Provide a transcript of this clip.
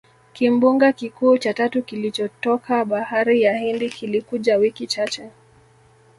Kimbunga kikuu cha tatu kilichotoka Bahari ya Hindi kilikuja wiki chache